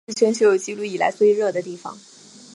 这里亦是全球有纪录以来最热的地方。